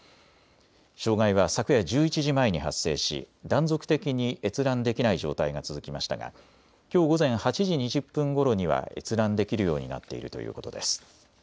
障害は昨夜１１時前に発生し断続的に閲覧できない状態が続きましたがきょう午前８時２０分ごろには閲覧できるようになっているということです。